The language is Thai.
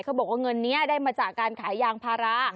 บอกว่าเงินนี้ได้มาจากการขายยางพารา